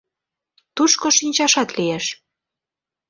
Тушко шинчашат лиеш.